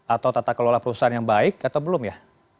atau tata kelola perusahaan yang baik atau belum ya